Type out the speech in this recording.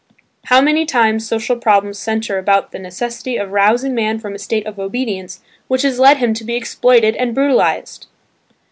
How many times social problems centre about the necessity of rousing man from a state of "obedience" which has led him to be exploited and brutalised!